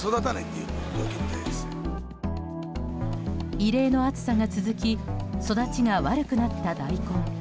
異例の暑さが続き育ちが悪くなった大根。